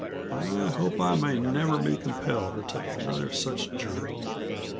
I hope I may never be compelled to take another such journey.